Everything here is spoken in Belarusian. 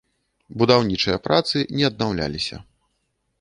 Будаўнічыя працы не аднаўляліся.